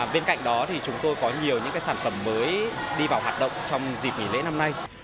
bên cạnh đó thì chúng tôi có nhiều những sản phẩm mới đi vào hoạt động trong dịp nghỉ lễ năm nay